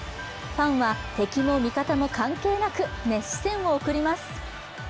ファンは敵も味方も関係なく熱視線を送ります。